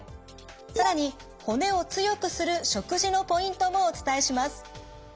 更に骨を強くする食事のポイントもお伝えします。